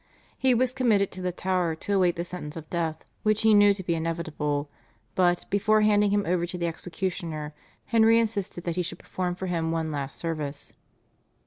He was committed to the Tower to await the sentence of death which he knew to be inevitable, but, before handing him over to the executioner, Henry insisted that he should perform for him one last service.